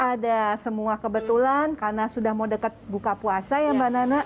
ada semua kebetulan karena sudah mau deket buka puasa ya mbak nana